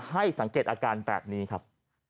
ให้สังเกตอาการแบบนี้ครับ